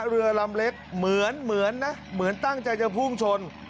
เรือลำเล็กเหมือนนะเหมือนตั้งใจจะพุ่งชน